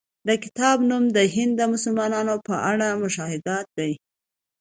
د کتاب نوم د هند د مسلمانانو په اړه مشاهدات دی.